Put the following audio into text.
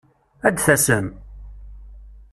Ad d-tasem?